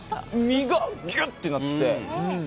身がギュッてなってて。